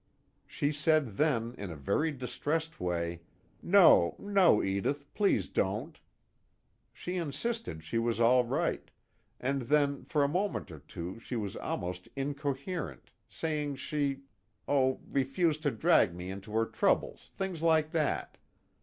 She said then in a very distressed way: 'No no, Edith, please don't!' She insisted she was all right, and then for a moment or two she was almost incoherent, saying she oh, refused to drag me into her troubles, things like that.